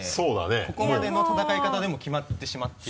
ここまでの戦い方でもう決まってしまっている。